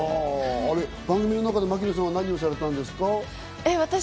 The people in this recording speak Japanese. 番組の中で牧野さんは何をされたんですか？